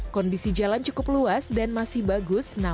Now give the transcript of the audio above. kondisi jalan cukup luas dan masih bagus